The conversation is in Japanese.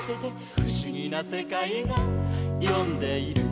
「ふしぎなせかいがよんでいる」